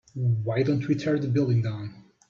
why don't we tear the building down?